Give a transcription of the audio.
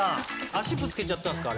脚ぶつけちゃったんすか？